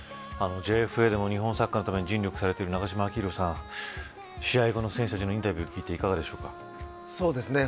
ＪＦＡでも日本サッカーのために尽力されている永島昭浩さん試合後の選手たちのインタビュー聞いていかがですか。